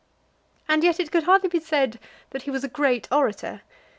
And yet it could hardly be said that he was a great orator.